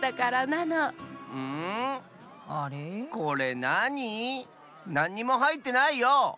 なんにもはいってないよ！